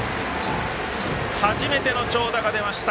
初めての長打が出ました